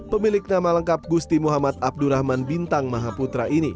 pemilik nama lengkap gusti muhammad abdurrahman bintang mahaputra ini